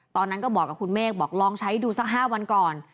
ตอนนั้นก็บอกกับคุณเมฆบอกลองใช้ดูสัก๕วันก่อน